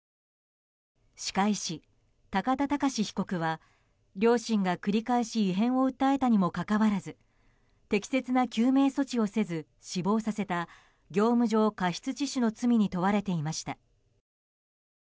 歯科医師・高田貫被告は両親が繰り返し異変を訴えたにもかかわらず適切な救命措置をせず死亡させた業務上過失致死の罪に問われていました。